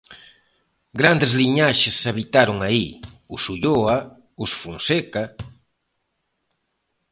Grandes liñaxes habitaron aí: os Ulloa, os Fonseca...